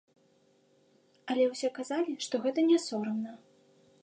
Але ўсе казалі, што гэта не сорамна.